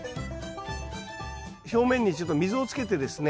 表面にちょっと溝をつけてですね